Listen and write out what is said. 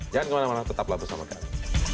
jangan kemana mana tetaplah bersama kami